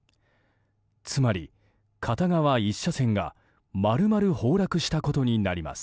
つまり、片側１車線が丸々崩落したことになります。